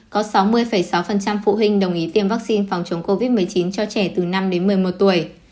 có sáu mươi sáu phụ huynh đồng ý tiêm vaccine phòng chống covid một mươi chín cho trẻ từ năm đến một mươi một tuổi